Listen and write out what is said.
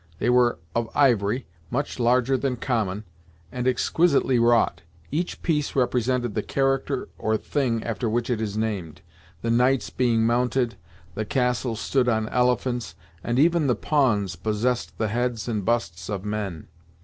They were of ivory, much larger than common, and exquisitely wrought. Each piece represented the character or thing after which it is named; the knights being mounted, the castles stood on elephants, and even the pawns possessed the heads and busts of men.